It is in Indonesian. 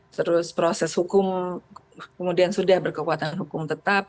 terus proses hukum kemudian sudah berkekuatan hukum tetap